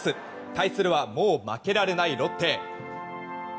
対するはもう負けられないロッテ。